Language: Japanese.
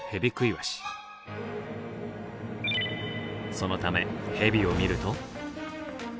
そのためヘビを見ると。